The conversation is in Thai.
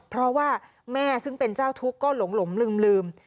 เพราะว่าแม่ซึ่งเป็นเจ้าทุกข์ก็หลงลืม